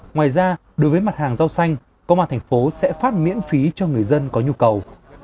ngoài ra đối với mặt hàng rau xanh công an thành phố sẽ phát miễn phí cho người dân có nhu cầu